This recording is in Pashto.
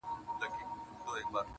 غرونه او فضا ورته د خپل درد برخه ښکاري,